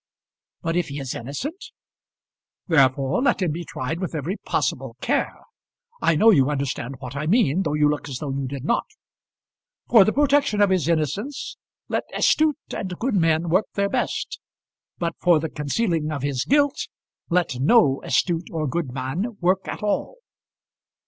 "But if he is innocent?" "Therefore let him be tried with every possible care. I know you understand what I mean, though you look as though you did not. For the protection of his innocence let astute and good men work their best, but for the concealing of his guilt let no astute or good man work at all."